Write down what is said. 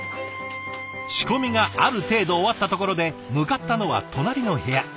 仕込みがある程度終わったところで向かったのは隣の部屋。